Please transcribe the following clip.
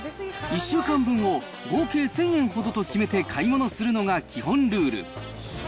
１週間分を合計１０００円ほどと決めて買い物するのが基本ルール。